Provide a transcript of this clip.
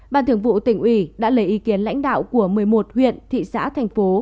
ban thường vụ tỉnh ủy đã lấy ý kiến lãnh đạo của một mươi một huyện thị xã thành phố